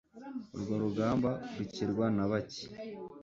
urwo rugamba rukirwa na bake